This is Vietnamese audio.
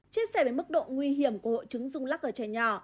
chia sẻ về mức độ nguy hiểm của hội chứng rung lắc ở trẻ nhỏ